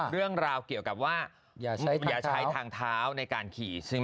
เรื่องราวเกี่ยวกับว่าอย่าใช้ทางเท้าในการขี่ซึ่ง